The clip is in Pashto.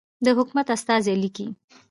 د حکومت استازی لیکي.